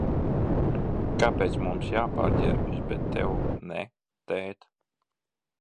Kāpēc mums jāpārģērbjas, bet tev ne, tēt?